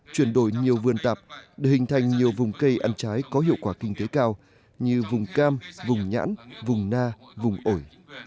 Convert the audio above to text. chuyển đổi nhiều vườn tạp để hình thành nhiều vùng cây ăn trái có hiệu quả kinh tế cao như vùng cam vùng nhãn vùng na vùng ổi